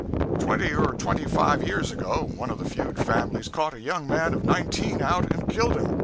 'Twenty or twenty five years ago, one of the feud families caught a young man of nineteen out and killed him.